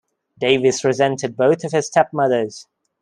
Davis resented both of his stepmothers.